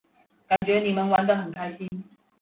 感覺你們玩得很開心